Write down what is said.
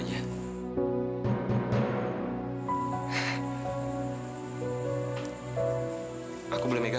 siapa yg ter withhold soalnya itu sih